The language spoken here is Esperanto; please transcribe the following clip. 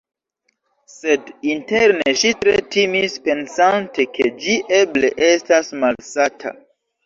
Sed interne ŝi tre timis pensante ke ĝi eble estas malsata.